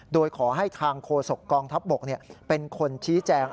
โดยขอให้ทางโฆษกองทัพบกเป็นคนชี้แจง